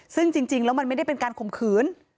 ซึ่งจริงแล้วมันไม่ได้เป็นการข่มขืน